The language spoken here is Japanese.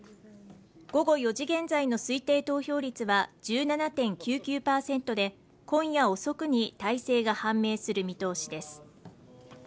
午後４時現在の推定投票率は１７．９９％で、今夜遅くに大勢が判明する見通しです。